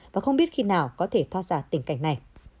và không biết khi nào có thể thoát ra tình cảnh này